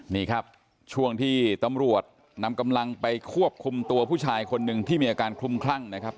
นี่ครับช่วงที่ตำรวจนำกำลังไปควบคุมตัวผู้ชายคนหนึ่งที่มีอาการคลุมคลั่งนะครับ